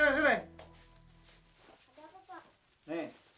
ada apa pak